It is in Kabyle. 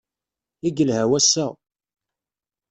I yelha wass-a!